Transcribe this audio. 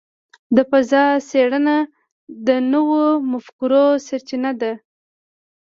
د فضاء څېړنه د نوو مفکورو سرچینه ده.